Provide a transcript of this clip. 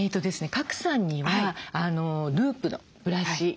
賀来さんにはループのブラシ。